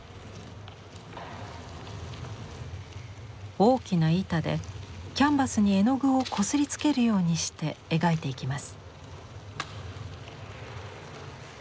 大きな板でキャンバスに絵の具をこすりつけるようにして描いていきます。